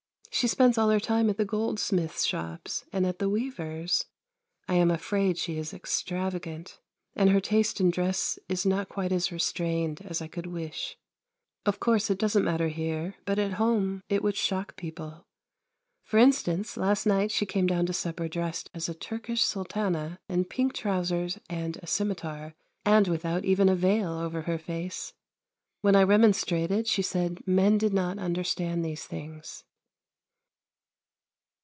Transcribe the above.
She spends all her time at the goldsmiths' shops and at the weavers' I am afraid she is extravagant: and her taste in dress is not quite as restrained as I could wish. Of course it doesn't matter here, but at home it would shock people. For instance, last night she came down to supper dressed as a Turkish Sultana in pink trousers and a scimitar, and without even a veil over her face. When I remonstrated she said men did not understand these things.